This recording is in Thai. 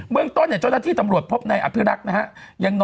เมืองต้นเนี่ยจริงที่ตำรวจพบนายอภิรักษ์นะฮะ